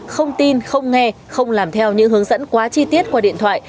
không tin không nghe không làm theo những hướng dẫn quá chi tiết qua điện thoại